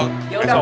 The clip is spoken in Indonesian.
ya udah pak ustadz